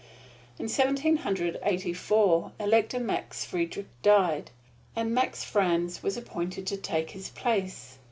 In Seventeen Hundred Eighty four, Elector Max Friedrich died, and Max Franz was appointed to take his place.